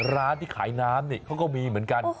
ร้านที่ขายน้ำนี่เขาก็มีเหมือนกัน